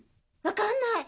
分かんない。